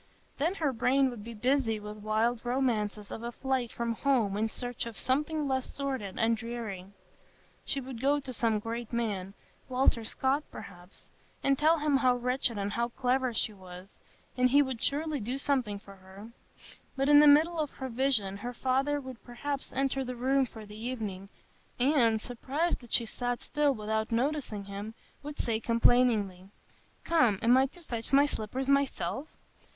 Then her brain would be busy with wild romances of a flight from home in search of something less sordid and dreary; she would go to some great man—Walter Scott, perhaps—and tell him how wretched and how clever she was, and he would surely do something for her. But, in the middle of her vision, her father would perhaps enter the room for the evening, and, surprised that she sat still without noticing him, would say complainingly, "Come, am I to fetch my slippers myself?"